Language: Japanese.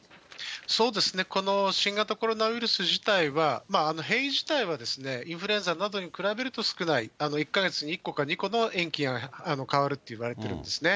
そうですね、この新型コロナウイルス自体は変異自体は、インフルエンザなどに比べると少ない、１か月に１個か２個の塩基が変わるっていわれてるんですね。